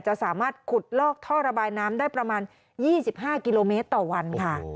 จะสามารถขุดลอกท่อระบายน้ำได้ประมาณ๒๕กิโลเมตรต่อวันค่ะ